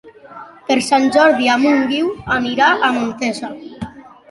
Per Sant Jordi en Guiu anirà a Montesa.